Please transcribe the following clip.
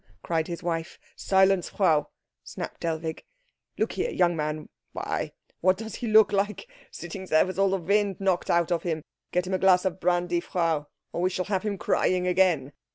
cried his wife. "Silence, Frau!" snapped Dellwig. "Look here, young man why, what does he look like, sitting there with all the wind knocked out of him? Get him a glass of brandy, Frau, or we shall have him crying again.